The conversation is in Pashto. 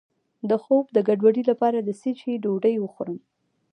د خوب د ګډوډۍ لپاره د څه شي ډوډۍ وخورم؟